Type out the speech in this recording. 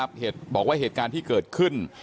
บอกว่าเหตุการณ์ที่เกิดขึ้น